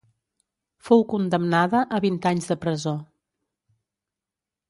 Fou condemnada a vint anys de presó.